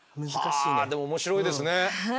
はあでも面白いですね。